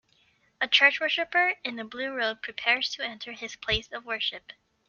A church worshiper in a blue robe prepares to enter his place of worship.